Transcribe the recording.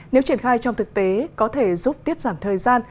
nếu triển khai trong thực tế có thể giúp tiết giảm thời gian